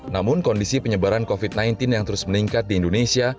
namun kondisi penyebaran covid sembilan belas yang terus meningkat di indonesia